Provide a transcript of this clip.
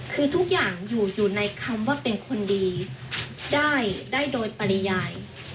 คือทุกอย่างอยู่อยู่ในคำว่าเป็นคนดีได้ได้โดยปริยาย